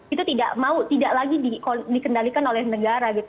itu tidak mau tidak lagi dikendalikan oleh negara